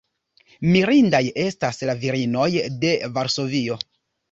Mirindaj estas la virinoj de Varsovio.